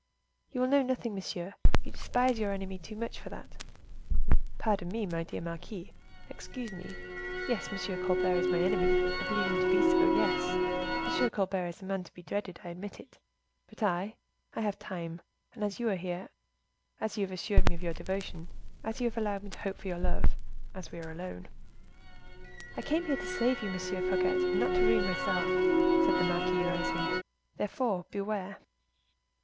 "You will know nothing, monsieur; you despise your enemy too much for that." "Pardon me, my dear marquise; excuse me; yes, M. Colbert is my enemy, I believe him to be so; yes, M. Colbert is a man to be dreaded, I admit. But I! I have time, and as you are here, as you have assured me of your devotion, as you have allowed me to hope for your love, as we are alone—" "I came here to save you, Monsieur Fouquet, and not to ruin myself," said the marquise, rising—"therefore, beware!